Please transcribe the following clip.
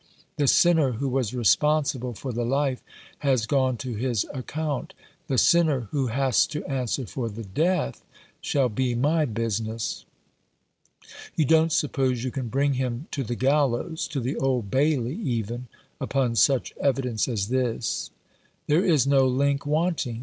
The sinner who was responsible for the life has gone to his account. The sinner who has to answer for the death shall be my business." "You don't suppose you can bring him to the gallows — to the Old Bailey, even — upon such evidence as this ?"" There is no link wanting.